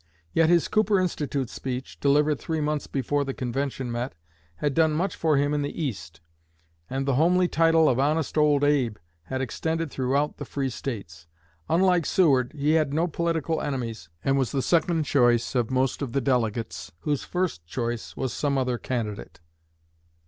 Yet his Cooper Institute speech, delivered three months before the convention met, had done much for him in the East; and the homely title of "Honest Old Abe" had extended throughout the free States. Unlike Seward, he had no political enemies, and was the second choice of most of the delegates whose first choice was some other candidate.